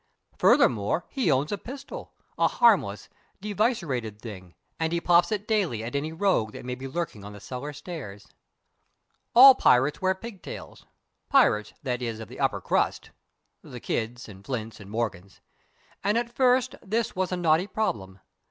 Furthermore, he owns a pistol a harmless, devicerated thing and he pops it daily at any rogue that may be lurking on the cellar stairs. All pirates wear pigtails pirates, that is, of the upper crust (the Kidds and Flints and Morgans) and at first this was a knotty problem.